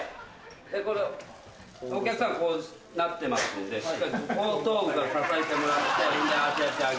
これをお客さんこうなってますんでしっかり後頭部から支えてもらって当ててあげる。